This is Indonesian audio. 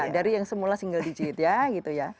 dari yang semula single digit ya gitu ya